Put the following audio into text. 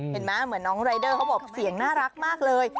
เหมือนน้องรายเดอร์เขาบอกเสียงน่ารักมากเลย